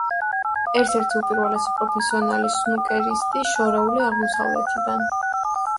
ერთ-ერთი უპირველესი პროფესიონალი სნუკერისტი შორეული აღმოსავლეთიდან.